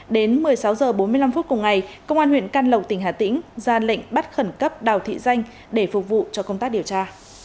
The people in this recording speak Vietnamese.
đến một mươi sáu h bốn mươi năm phút cùng ngày công an huyện can lộc tỉnh hà tĩnh ra lệnh bắt khẩn cấp đào thị danh để phục vụ cho công tác điều tra